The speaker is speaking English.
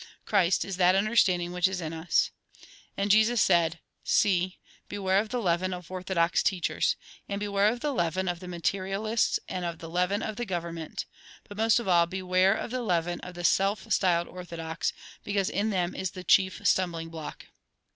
Christ is that understanding which is in us." And Jesus said :" See, beware of the leaven of orthodox teachers. And beware of the leaven of the materialists and of the leaven of the govern ment. But most of all, beware of the leaven of the self styled ' orthodox,' because in them is the chief stumbling block."